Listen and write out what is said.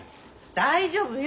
大丈夫よ！